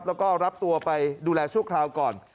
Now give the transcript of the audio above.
ดูแลนะครับแล้วก็รับตัวไปดูแลช่วงคราวก่อน